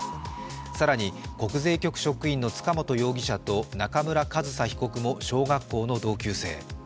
更に国税局職員の塚本容疑者と中村上総被告も小学校の同級生。